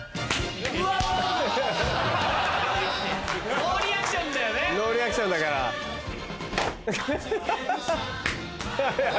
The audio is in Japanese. ノーリアクションだから。ハハハ！